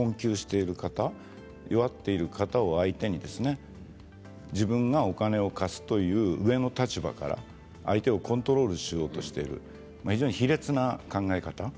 基本的には困窮している方へ、弱っている方を相手に自分がお金を貸すという上の立場から相手をコントロールしようとしている非常に卑劣な考え方